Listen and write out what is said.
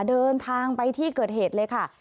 เดินทางไปที่เกิดเหตุเลยค่ะ